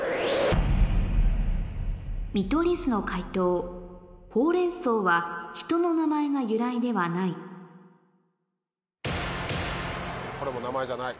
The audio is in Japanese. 見取り図の解答ほうれん草は人の名前が由来ではないこれも名前じゃない。